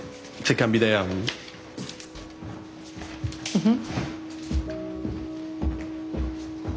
うん。